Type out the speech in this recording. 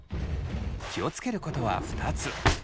気を付けることは２つ。